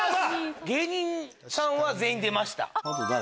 芸人さんは全員出ました。